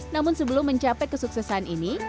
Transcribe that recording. namun sebelum mencapai kesuksesan ini